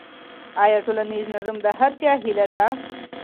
آیا ټولنیز نظم د هر چا هيله ده؟